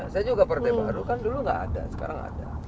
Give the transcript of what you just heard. saya juga partai baru kan dulu nggak ada sekarang ada